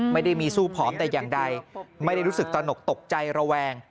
ไม่ได้มีสู้ผอมแต่อย่างใดไม่ได้รู้สึกตนกตกใจระแวง